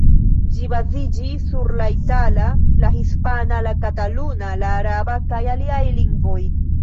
Ĝi baziĝis sur la itala, la hispana, la kataluna, la araba kaj aliaj lingvoj.